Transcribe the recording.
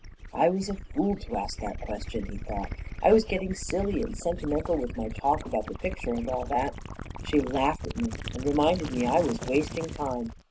"I was a fool to ask that question," he thought. "I was getting silly and sentimental with my talk about the picture and all that. She laughed at me and reminded me I was wasting time.